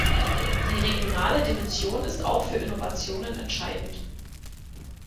Die regionale Dimension ist auch für Innovationen entscheidend.